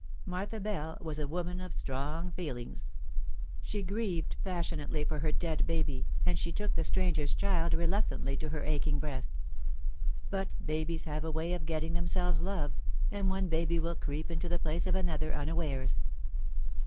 Martha Bell was a woman of strong feelings. She grieved passionately for her dead baby, and she took the stranger's child reluctantly to her aching breast. But babies have a way of getting themselves loved, and one baby will creep into the place of another unawares.